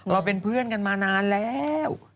เป็นเพื่อนกันมานานแล้ว